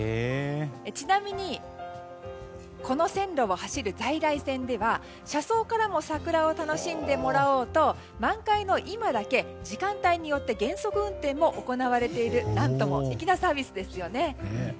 ちなみに、この線路を走る在来線では車窓からも桜を楽しんでもらおうと満開の今は時間帯によって減速運転も行われている何とも素敵なサービスですよね。